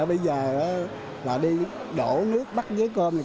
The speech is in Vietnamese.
bây giờ là đi đổ nước bắt dế cơm